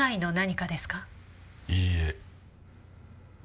いいえ。